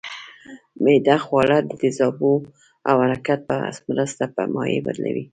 معده خواړه د تیزابو او حرکت په مرسته په مایع بدلوي